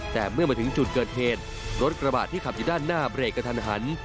แต่เมื่อมาถึงจุดเกิดเหตุรถกระบาดที่ขับอยู่ด้านหน้าเบรกกระทันหัน